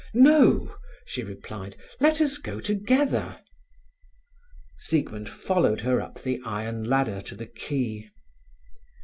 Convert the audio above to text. "No," she replied. "Let us go together." Siegmund followed her up the iron ladder to the quay.